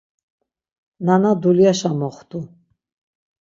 Nana dulyaşa moxtu.